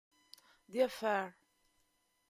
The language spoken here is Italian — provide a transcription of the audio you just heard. The Affair